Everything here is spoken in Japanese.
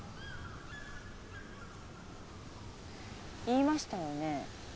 言いましたよね？